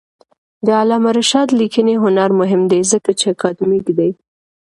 د علامه رشاد لیکنی هنر مهم دی ځکه چې اکاډمیک دی.